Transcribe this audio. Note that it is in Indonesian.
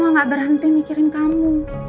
tapi mama gak berhenti mikirin kamu